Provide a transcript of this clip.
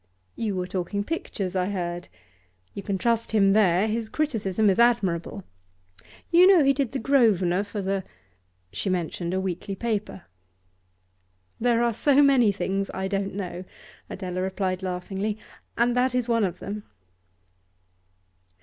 'You were talking pictures, I heard. You can trust him there; his criticism is admirable. You know he did the Grosvenor for the ?' She mentioned a weekly paper. 'There are so many things I don't know,' Adela replied laughingly, 'and that is one of them.